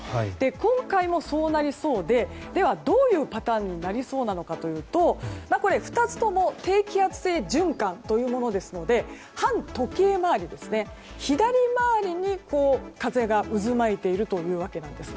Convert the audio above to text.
今回もそうなりそうでどういうパターンになりそうなのかというと２つとも低気圧性循環というものですので反時計回りで左回りに風が渦巻いているんです。